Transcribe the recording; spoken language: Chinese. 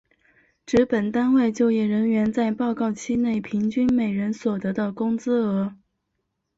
指本单位就业人员在报告期内平均每人所得的工资额。